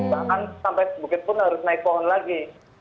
bahkan sampai bukit pun harus naik pohon lagi